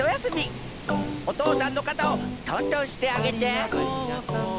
おとうさんのかたをとんとんしてあげて。